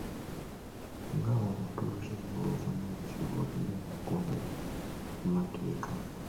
Nga omutuuze ow'obuvunaanyizibwa olina okugondera amateeka.